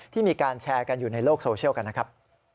มีการแชร์กันอยู่ในโลกโซเชียลกันนะครับ